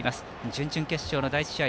準々決勝の第１試合。